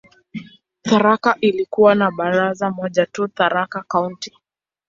Tharaka ilikuwa na baraza moja tu, "Tharaka County".